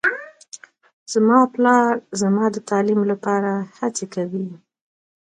زما پلار زما د تعلیم لپاره هڅې کوي